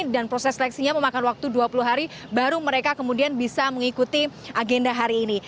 dan proses seleksinya memakan waktu dua puluh hari baru mereka kemudian bisa mengikuti agenda hari ini